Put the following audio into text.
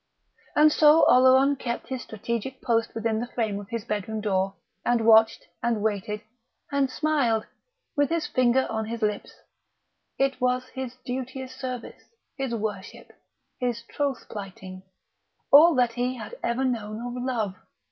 And so Oleron kept his strategic post within the frame of his bedroom door, and watched, and waited, and smiled, with his finger on his lips.... It was his duteous service, his worship, his troth plighting, all that he had ever known of Love.